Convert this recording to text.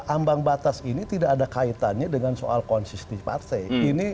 ambang batas ini tidak ada kaitannya dengan soal konsistensi partai